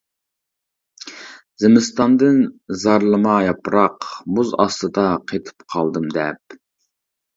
زىمىستاندىن زارلىما ياپراق، مۇز ئاستىدا قېتىپ قالدىم دەپ.